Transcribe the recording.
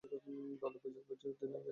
দলের বিপর্যয়ে তিনি এগিয়ে আসেন।